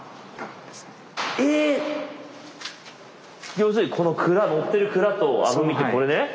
要するにこの乗ってるくらとあぶみってこれね？